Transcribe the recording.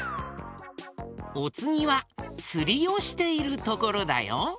おつぎはつりをしているところだよ。